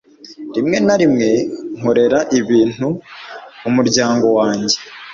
rimwe na rimwe, nkorera ibintu umuryango wanjye